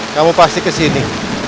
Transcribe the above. kamu pasti kesini